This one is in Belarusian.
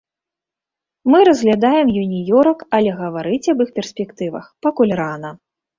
Мы разглядаем юніёрак, але гаварыць аб іх перспектывах пакуль рана.